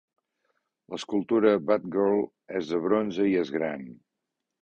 L'escultura "Bad Girl" és de bronze i és gran.